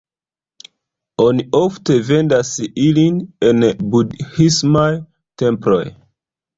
Oni ofte vendas ilin en budhismaj temploj.